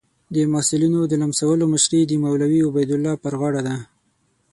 د محصلینو د لمسولو مشري د مولوي عبیدالله پر غاړه ده.